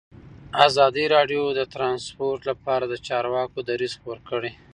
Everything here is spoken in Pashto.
ازادي راډیو د ترانسپورټ لپاره د چارواکو دریځ خپور کړی.